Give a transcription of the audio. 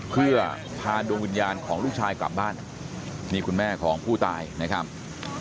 เพื่อพาดวงวิญญาณของลูกชายกลับบ้านนี่คุณแม่ของผู้ตายนะครับ